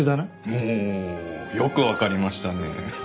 おおよくわかりましたね。